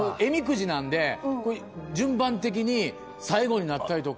神籤なんで、順番的に最後になったりとか。